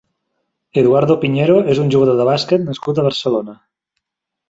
Eduardo Piñero és un jugador de bàsquet nascut a Barcelona.